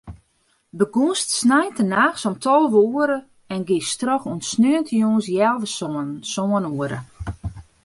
Begûnst sneintenachts om tolve oere en giest troch oant sneontejûns healwei sânen, sân oere.